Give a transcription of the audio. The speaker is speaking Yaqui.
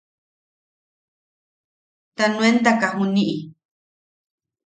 Ta nuentaka juniʼi.